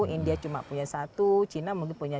india cuma punya satu china mungkin punya